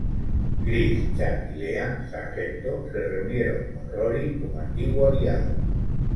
Chris, Chad y Lea "Sargento" se reunieron con Rory como antiguo aliado.